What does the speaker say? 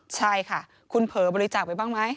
ใช่ค่ะคุณเผลอบริจาคไปบ้างไหม